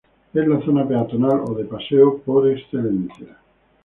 Es la zona peatonal o de paseo por excelencia.